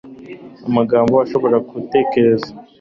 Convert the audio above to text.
amagambo adashobora gutekereza